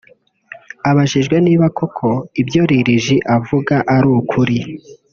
Abajijwe niba koko ibyo Lil G avuga ari ukuri